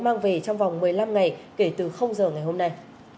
mang về trong vòng một mươi năm ngày kể từ giờ ngày hôm nay